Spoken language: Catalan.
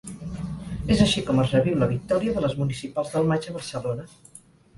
És així com es reviu la victòria de les municipals del maig a Barcelona.